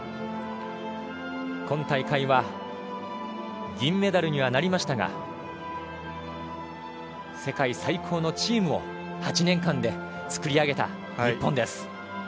今大会は銀メダルにはなりましたが世界最高のチームを８年間で作り上げた日本です。